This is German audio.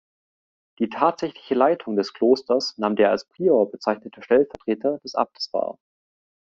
Die tatsächliche Leitung des Klosters nahm der als Prior bezeichnete Stellvertreter des Abtes wahr.